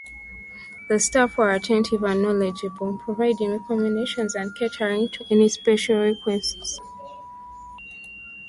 The staff were attentive and knowledgeable, providing recommendations and catering to any special requests.